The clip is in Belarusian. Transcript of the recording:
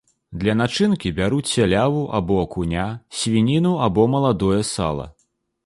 Для начынкі бяруць сяляву або акуня, свініну або маладое сала.